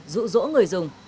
rụ rỗ người dùng